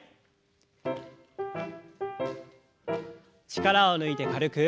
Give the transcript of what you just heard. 力を抜いて軽く。